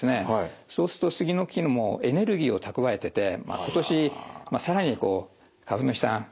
そうするとスギの木もエネルギーを蓄えてて今年更にこう花粉の飛散